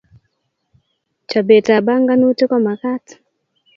Chobet ab banganutik komakat